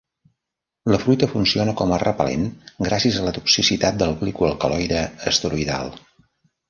La fruita funciona com a repel·lent gràcies a la toxicitat del glicoalcaloide esteroïdal.